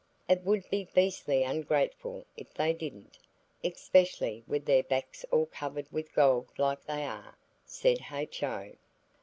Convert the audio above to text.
"It would be beastly ungrateful if they didn't, especially with their backs all covered with gold like they are," said H.O.